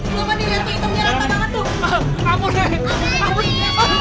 lama nih lihat itu lihat itu lihat itu